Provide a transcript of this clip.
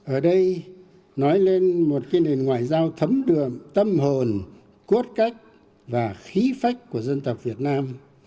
ở đây nói lên một cái nền ngoại giao thấm đượm tâm hồn cốt cách và khí phách của dân tộc việt nam